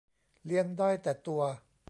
เลี้ยงได้แต่ตัว